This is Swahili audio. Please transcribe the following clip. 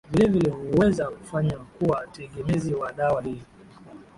vilevile huweza kufanya kuwa tegemezi wa dawa hii